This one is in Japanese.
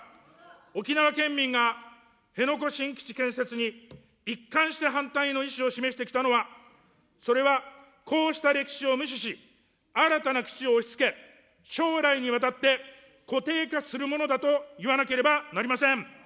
沖縄県民が辺野古新基地建設に一貫して反対の意思を示してきたのは、それはこうした歴史を無視し、新たな基地を押しつけ、将来にわたって固定化するものだといわなければなりません。